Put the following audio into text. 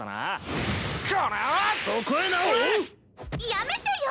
やめてよ！